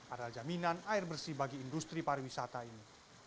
adalah jaminan air bersih bagi industri pariwisata ini